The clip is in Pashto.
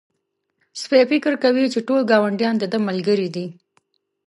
سپی تل فکر کوي چې ټول ګاونډیان د ده ملګري دي.